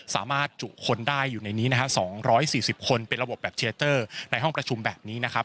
สามารถจุคนได้อยู่ในนี้นะฮะ๒๔๐คนเป็นระบบแบบเชลเตอร์ในห้องประชุมแบบนี้นะครับ